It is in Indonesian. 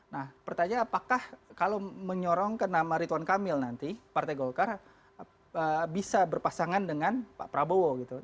nah pertanyaan apakah kalau menyorong ke nama ritwan kamil nanti partai golkar bisa berpasangan dengan pak prabowo gitu